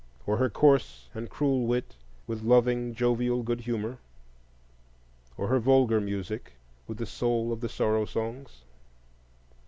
or her coarse and cruel wit with loving jovial good humor? or her vulgar music with the soul of the Sorrow Songs?